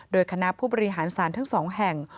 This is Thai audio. โดยคณะผู้บริหารศาลทั้งสองแห่ง